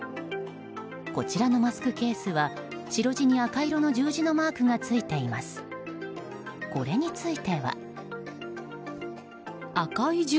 こちらのマスクケースは白地に赤色の十字のマークがついています。